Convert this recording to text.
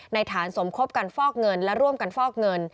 ฐานสมคบกันฟอกเงินและร่วมกันฟอกเงิน